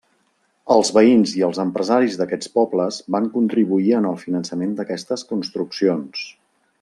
Els veïns i els empresaris d'aquests pobles van contribuir en el finançament d'aquestes construccions.